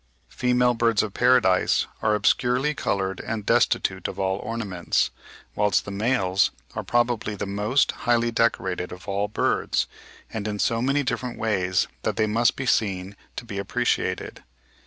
Female birds of paradise are obscurely coloured and destitute of all ornaments, whilst the males are probably the most highly decorated of all birds, and in so many different ways that they must be seen to be appreciated.